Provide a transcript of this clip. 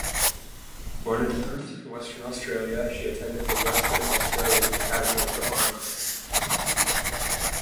Born in Perth, Western Australia, she attended the Western Australian Academy of Performing Arts.